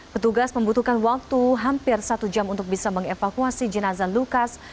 petugas membutuhkan waktu hampir satu jam untuk bisa mengevakuasi jenazah lukas